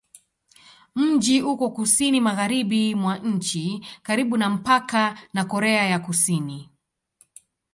Mji uko kusini-magharibi mwa nchi, karibu na mpaka na Korea ya Kusini.